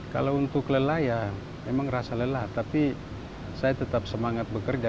kalau untuk lelah ya memang rasa lelah tapi saya tetap semangat bekerja